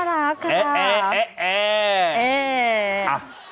น่ารักครับ